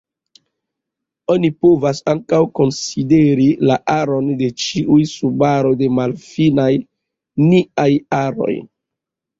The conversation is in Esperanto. Oni povas ankaŭ konsideri la aron de ĉiuj subaroj de malfiniaj aroj.